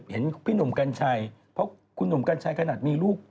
เห็นพี่หนุ่มกัญชัยเพราะคุณหนุ่มกัญชัยขนาดมีลูก